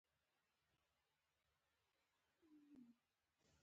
خو یو بل ډنګ، تنه ور امریکایي سر ته ودرېد.